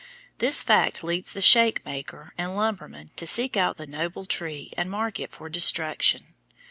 This fact leads the shake maker and lumberman to seek out the noble tree and mark it for destruction.